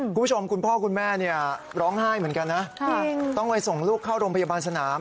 คุณผู้ชมคุณพ่อคุณแม่เนี่ยร้องไห้เหมือนกันนะต้องไปส่งลูกเข้าโรงพยาบาลสนาม